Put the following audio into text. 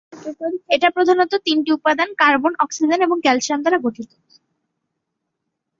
এটা প্রধানত তিনটি উপাদান কার্বন, অক্সিজেন এবং ক্যালসিয়াম দ্বারা গঠিত।